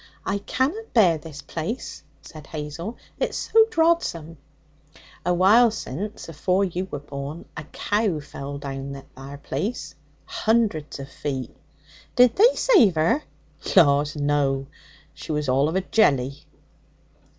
'I canna bear this place,' said Hazel; 'it's so drodsome.' 'Awhile since, afore you were born, a cow fell down that there place, hundreds of feet.' 'Did they save her?' 'Laws, no! She was all of a jelly.'